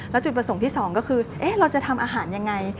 แล้วจุดประสงค์ที่๒ก็คือเราจะทำอาหารยังไง